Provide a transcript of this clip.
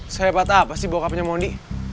sehebat apa sih bokapnya mondi